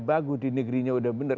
bagus di negerinya udah benar